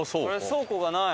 倉庫がない。